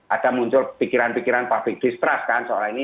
ada muncul pikiran pikiran public distrust kan soal ini